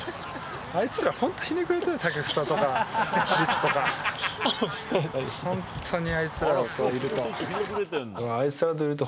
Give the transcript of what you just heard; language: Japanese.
あいつら、本当、ひねくれてる、建英とか、律とか、本当にあいつらといると。